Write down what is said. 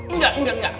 enggak enggak enggak